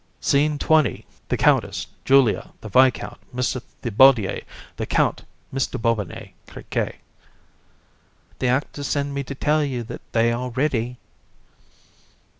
SCENE XX. THE COUNTESS, JULIA, THE VISCOUNT, MR THIBAUDIER, THE COUNT, MR. BOBINET, CRIQUET. CRI. The actors send me to tell you that they are ready.